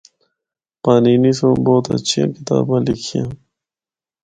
پانینی سنڑ بہت ہچھیاں کتاباں لکھیاں۔